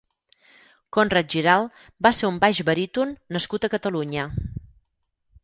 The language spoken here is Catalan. Conrad Giralt va ser un baix-baríton nascut a Catalunya.